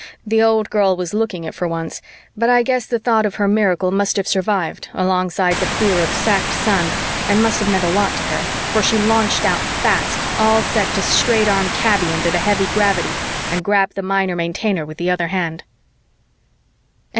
The Old Girl was looking it for once, but I guess the thought of her miracle must have survived alongside the fear of sacked sun and must have meant a lot to her, for she launched out fast, all set to straight arm Kaby into the heavy gravity and grab the Minor Maintainer with the other hand.